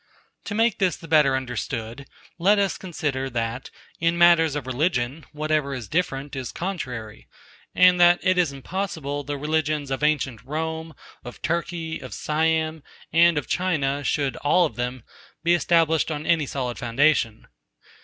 To make this the better understood, let us consider, that, in matters of religion, whatever is different is contrary; and that it is impossible the religions of ancient Rome, of Turkey, of Siam, and of China should, all of them, be established on any solid foundation.